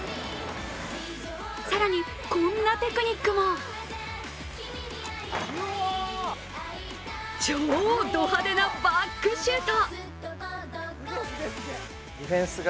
更にこんなテクニックも超ド派手なバックシュート。